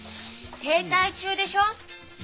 停滞中でしょ。